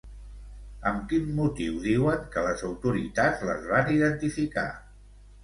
Amb quin motiu diuen que les autoritats les van identificar?